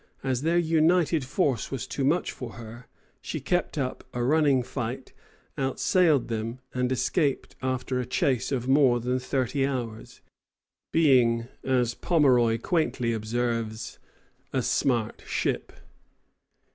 As their united force was too much for her, she kept up a running fight, outsailed them, and escaped after a chase of more than thirty hours, being, as Pomeroy quaintly observes, "a smart ship."